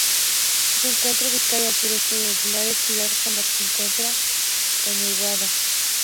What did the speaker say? Se encuentra ubicado al sudeste de Aguilares, ciudad con la que se encuentra conurbada.